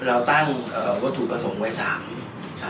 เราร็่ตั้งวัตถุประสงค์ไว้สามค่อ